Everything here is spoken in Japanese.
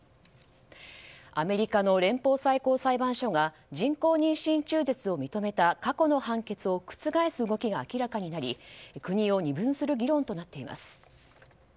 アメリカの連邦最高裁判所が人工妊娠中絶を認めた過去の判決を覆す動きが明らかになり国を二分する議論となっています。